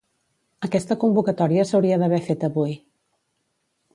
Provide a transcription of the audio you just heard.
Aquesta convocatòria s’hauria d’haver fet avui.